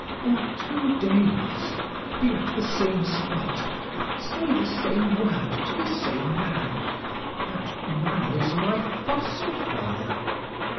In two days be at the same spot, say the same word to the same man. That man is my foster father.